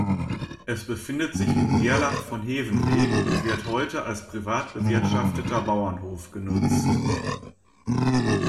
Es befindet sich im Gerlach-von-Heven-Weg und wird heute als privat bewirtschafteter Bauernhof genutzt.